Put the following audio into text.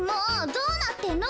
どうなってんの？